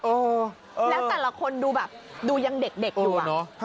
โอ้แล้วแต่ละคนดูแบบดูยังเด็กอยู่อะ